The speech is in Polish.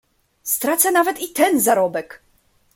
"Stracę nawet i ten zarobek."